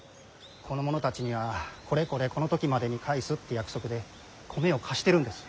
この者たちには「これこれこの時までに返す」って約束で米を貸してるんです。